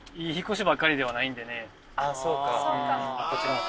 そうか。